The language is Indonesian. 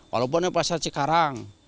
walaupun puasa sekarang